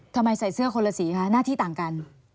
ทำไมใส่เสื้อคนละสีคะหน้าที่ต่างกัน